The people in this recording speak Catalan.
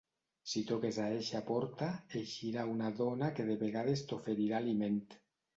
Si toques a eixa porta, eixirà una dona que de vegades t'oferirà aliment.